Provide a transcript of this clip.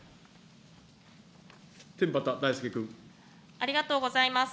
ありがとうございます。